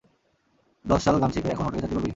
দশ সাল গান শিখে, এখন হোটেলে চাকরি করবি?